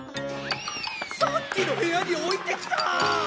さっきの部屋に置いてきた！